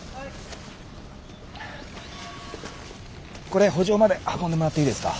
これ圃場まで運んでもらっていいですか。